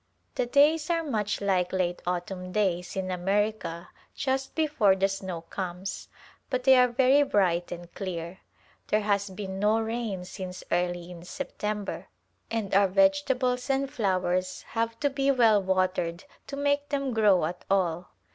The days are much like late autumn days in America just before the snow comes, but they are very bright and clear. There has been no rain since early in September and our vegetables and flowers have to be well watered to make them grow at all.